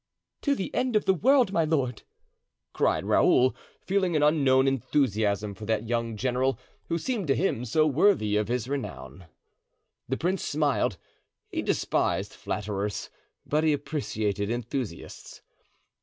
"To the end of the world, my lord!" cried Raoul, feeling an unknown enthusiasm for that young general, who seemed to him so worthy of his renown. The prince smiled; he despised flatterers, but he appreciated enthusiasts.